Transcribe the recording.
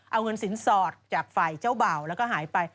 เอาเงินสินสอดจากฝ่ายเจ้าบ่าวแล้วก็หายไป